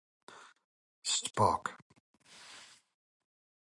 Spark!